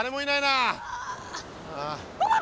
あ。